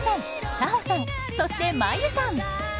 紗帆さん、そして茉優さん。